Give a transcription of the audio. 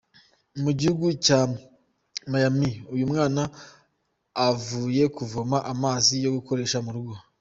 Mu gihugu cya Myanmar; uyu mwana avuye kuvoma amazi yo gukoresha mu rugo.